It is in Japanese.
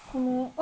あ。